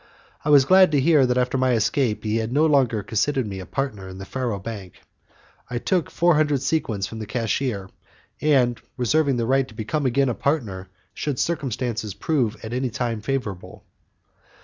I was glad to hear that after my escape he had no longer considered me a partner in the faro bank. I took four hundred sequins from the cashier, reserving the right to become again a partner, should circumstances prove at any time favourable.